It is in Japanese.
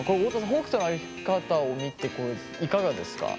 北斗の歩き方を見ていかがですか？